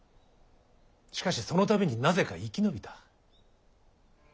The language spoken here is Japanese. しかしその度になぜか生き延びた。